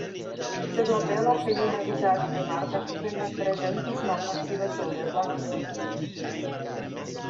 Sed la bela kaj juna vizaĝo de Marta tute ne prezentis malfacile solveblan enigmon.